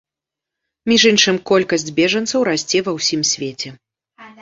Між іншым, колькасць бежанцаў расце ва ўсім свеце.